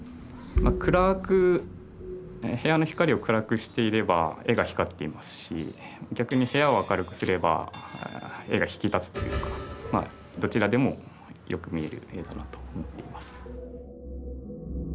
暗く部屋の光を暗くしていれば絵が光っていますし逆に部屋を明るくすれば絵が引き立つというかどちらでもよく見える絵だなと思っています。